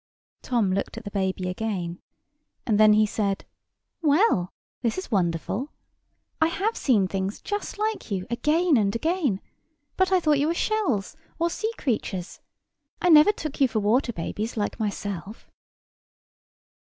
Tom looked at the baby again, and then he said: "Well, this is wonderful! I have seen things just like you again and again, but I thought you were shells, or sea creatures. I never took you for water babies like myself."